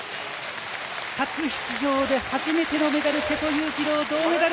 初出場で初めてのメダル瀬戸勇次郎、銅メダル。